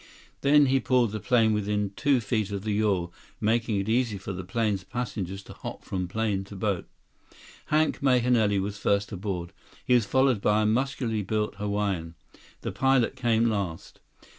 Then he pulled the plane within two feet of the yawl, making it easy for the plane's passengers to hop from plane to boat. Hank Mahenili was first aboard. He was followed by a muscularly built Hawaiian. The pilot came last.